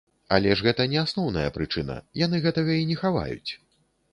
Але ж гэта не асноўная прычына, яны гэтага і не хаваюць.